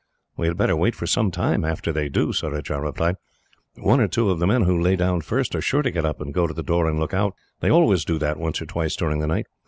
"We had better wait for some time, after they do," Surajah replied. "One or two of the men, who lay down first, are sure to get up and go to the door and look out. They always do that, once or twice during the night.